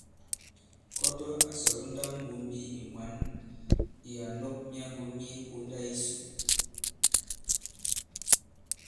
Kɔtɔ a sɔ̀lɔ nndawŋgōmbi ì mwǎn ì ǎ nɔ̄k myaŋgo mye ponda yisò.